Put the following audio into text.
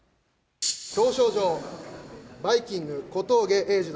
表彰状、バイきんぐ・小峠英二殿。